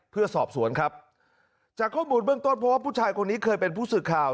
เพื่อสอบสวนครับจากข้อมูลเบื้องต้นเพราะว่าผู้ชายคนนี้เคยเป็นผู้สื่อข่าว